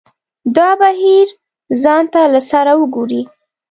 دا بهیر ځان ته له سره وګوري.